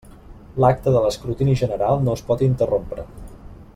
L'acte de l'escrutini general no es pot interrompre.